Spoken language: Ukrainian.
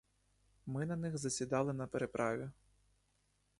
Ми на них засідали на переправі.